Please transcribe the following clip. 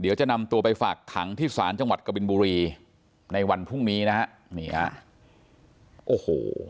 เดี๋ยวจะนำตัวไปฝากถังที่สารจังหวัดกบินบุรีในวันพรุ่งนี้นะครับ